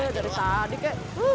yee dari tadi ke